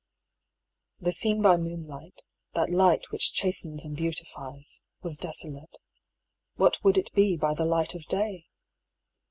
The scene by moonlight, that light which chas tens and beautifies, was desolate — what would it be by the light of day